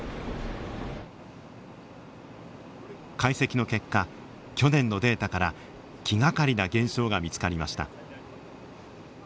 解析の結果去年のデータから気がかりな現象が見つかりました。